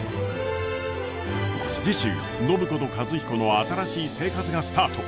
次週暢子と和彦の新しい生活がスタート！